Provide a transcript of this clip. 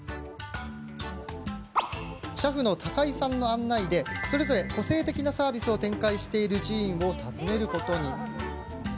車夫の高井さんの案内でそれぞれ個性的なサービスを展開している寺院を訪ねることに。